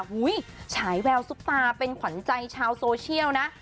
ฉายแววซุปตาเป็นขวัญใจชาวโซเชียลนะ